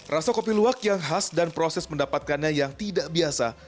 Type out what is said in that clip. rasa kopi luwak yang khas dan proses mendapatkannya yang tidak biasa